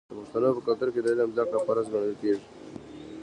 د پښتنو په کلتور کې د علم زده کړه فرض ګڼل کیږي.